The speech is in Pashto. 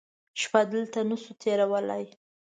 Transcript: شپه دلته نه شو تېرولی.